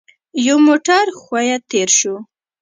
يو موټر ښويه تېر شو.